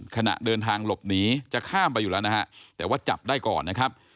ขณะเดินทางหลบหนีจะข้ามไปอยู่แล้วนะฮะแต่ว่าจับได้ก่อนนะครับ